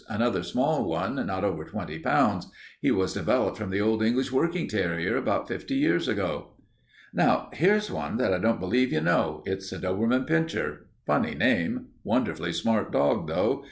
Another small one, not over twenty pounds. He was developed from the old English working terrier about fifty years ago. [Illustration: Airedale Terrier] "Now here's one that I don't believe you know. It's a Doberman pinscher. Funny name. Wonderfully smart dog, though.